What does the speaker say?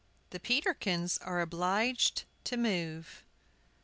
THE PETERKINS ARE OBLIGED TO MOVE.